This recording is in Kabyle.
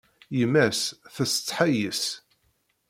Yemma-s tessetḥa yes-s.